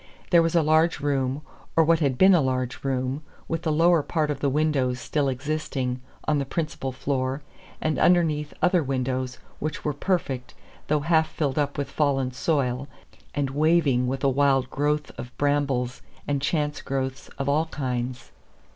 There was a large room, or what had been a large room, with the lower part of the windows still existing, on the principal floor, and underneath other windows, which were perfect, though half filled up with fallen soil, and waving with a wild growth of brambles and chance growths of all kinds.